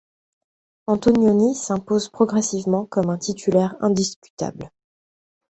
Antognoni s'impose progressivement comme un titulaire indiscutable.